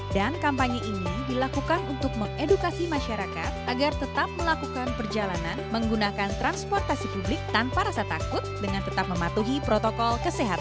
dan kampanye ini dilakukan untuk mengedukasi masyarakat agar tetap melakukan perjalanan menggunakan transportasi publik tanpa rasa takut dengan tetap mematuhi protokol kesehatan